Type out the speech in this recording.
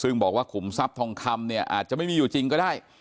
ซึ่งบอกว่าขุมทรัพย์ทองคำเนี่ยอาจจะไม่มีอยู่จริงก็ได้